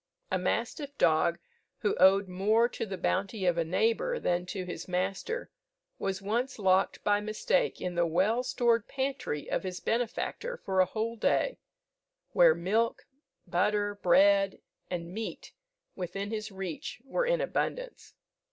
A mastiff dog, who owed more to the bounty of a neighbour than to his master, was once locked by mistake in the well stored pantry of his benefactor for a whole day, where milk, butter, bread, and meat, within his reach, were in abundance.